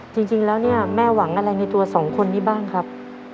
จริงแล้วเนี่ยแม่หวังอะไรในตัวสองคนนี้บ้างครับ